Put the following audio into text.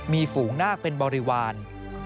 มีฝูงนาคเป็นบริวาร